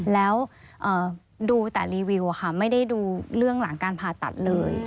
แล้วดูแต่รีวิวค่ะไม่ได้ดูเรื่องหลังการผ่าตัดเลย